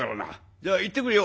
じゃあ行ってくるよ」。